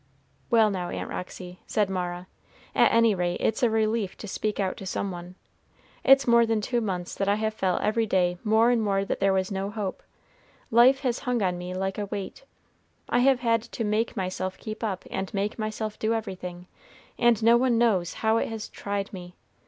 "Well, now, Aunt Roxy," said Mara, "at any rate, it's a relief to speak out to some one. It's more than two months that I have felt every day more and more that there was no hope, life has hung on me like a weight. I have had to make myself keep up, and make myself do everything, and no one knows how it has tried me.